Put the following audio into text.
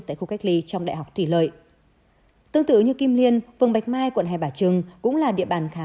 tại khu cách ly trong đại học thủy lợi tương tự như kim liên phường bạch mai quận hai bà trưng cũng là địa bàn khá